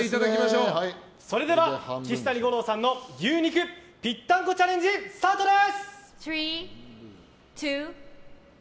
それでは岸谷五朗さんの牛肉ぴったんこチャレンジスタートです。